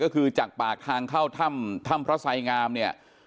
ก็คือจากปากทางเข้าถ้ำถ้ำพระไสงามเนี่ย